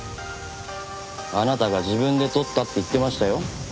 あなたが自分で撮ったって言ってましたよ。